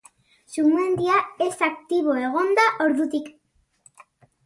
Sumendia, ez aktibo egon da ordutik.